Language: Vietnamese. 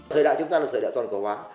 thời đại chúng ta là thời đại toàn cầu hóa